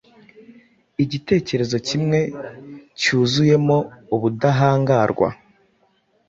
Igitekerezo kimwe cyuzuyemo ubudahangarwa.